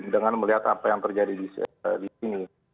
dengan melihat apa yang terjadi di sini